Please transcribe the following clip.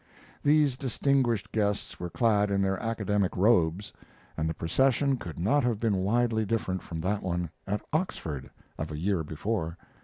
These distinguished guests were clad in their academic robes, and the procession could not have been widely different from that one at Oxford of a year before.